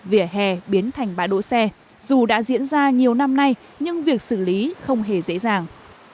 vỉa hè biến thành bãi đỗ xe dù đã diễn ra nhiều năm nay nhưng việc xử lý không hề dễ dàng